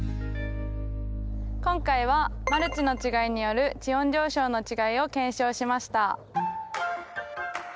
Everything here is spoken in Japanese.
今回はマルチの違いによる地温上昇の違いを検証しました。